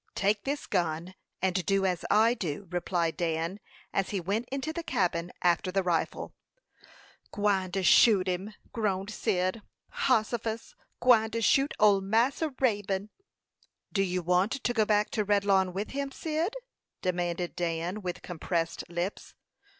"Take this gun, and do as I do," replied Dan, as he went into the cabin after the rifle. "Gwine to shoot him!" groaned Cyd. "Hossifus! gwine to shoot ole Massa Raybone!" "Do you want to go back to Redlawn with him, Cyd?" demanded Dan, with compressed lips.